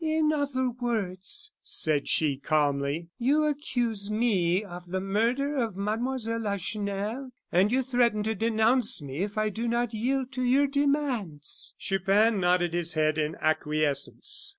"In other words," said she, calmly, "you accuse me of the murder of Mademoiselle Lacheneur; and you threaten to denounce me if I do not yield to your demands." Chupin nodded his head in acquiescence.